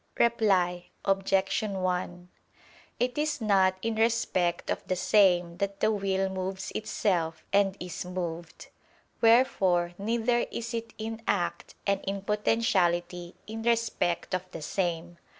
Reply Obj. 1: It is not in respect of the same that the will moves itself and is moved: wherefore neither is it in act and in potentiality in respect of the same.